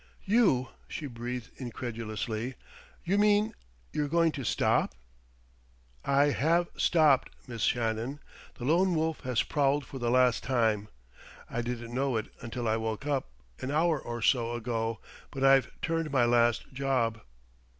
"You," she breathed incredulously "you mean, you're going to stop ?" "I have stopped, Miss Shannon. The Lone Wolf has prowled for the last time. I didn't know it until I woke up, an hour or so ago, but I've turned my last job."